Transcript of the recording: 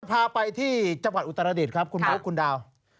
พาไปที่จังหวัดอุตรดิษฐ์ครับคุณบุ๊คคุณดาว